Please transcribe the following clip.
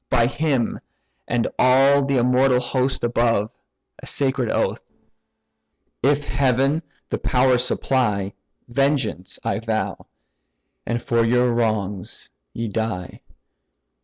By him, and all the immortal host above (A sacred oath), if heaven the power supply, Vengeance I vow, and for your wrongs ye die."